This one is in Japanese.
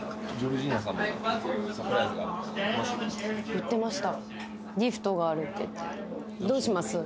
言ってました。